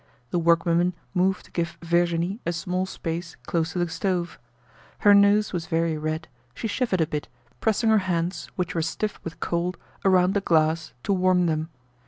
The workwomen moved to give Virginie a small space close to the stove. Her nose was very red, she shivered a bit, pressing her hands which were stiff with cold around the glass to warm them.